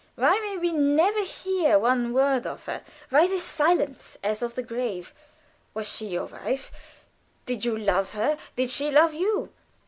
Why may we never hear one word of her? Why this silence, as of the grave? Was she your wife? Did you love her? Did she love you?"